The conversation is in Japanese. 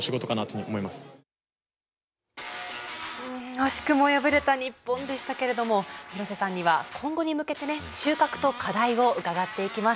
惜しくも敗れた日本でしたけれども廣瀬さんには今後に向けて収穫と課題を伺っていきます。